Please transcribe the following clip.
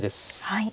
はい。